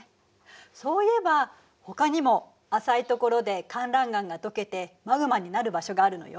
そういえばほかにも浅いところでかんらん岩がとけてマグマになる場所があるのよ。